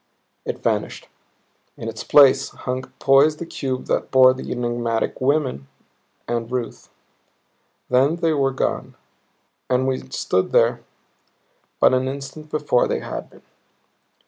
It vanished. In its place hung poised the cube that bore the enigmatic woman and Ruth. Then they were gone and we stood where but an instant before they had been.